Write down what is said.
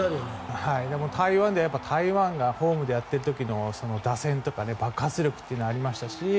台湾では台湾がホームでやっている時の打線とか爆発力というのはありましたし。